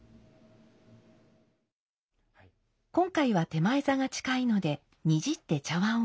今回は点前座が近いのでにじって茶碗を取りに出ます。